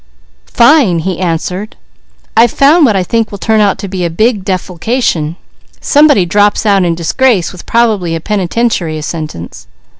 "Fine!" he answered. "I've found what I think will turn out to be a big defalcation. Somebody drops out in disgrace with probably a penitentiary sentence."